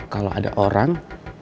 kalau ada orang